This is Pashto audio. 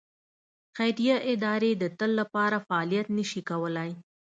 خیریه ادارې د تل لپاره فعالیت نه شي کولای.